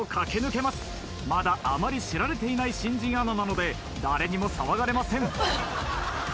まだあまり知られていない新人アナなので誰にも騒がれません。